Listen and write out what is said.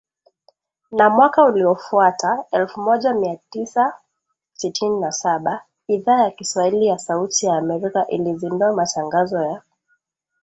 Na mwaka uliofuata, elfu moja mia tisa sitini na saba , Idhaa ya Kiswahili ya Sauti ya Amerika ilizindua matangazo ya